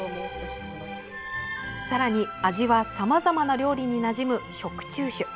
さらに、味はさまざまな料理になじむ食中酒。